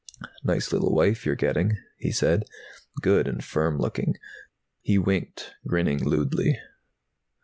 "Nice little wife you're getting," he said. "Good and firm looking." He winked, grinning lewdly.